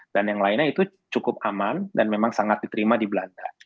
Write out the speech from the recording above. dan yang lainnya itu cukup aman dan memang sangat diterima di belanda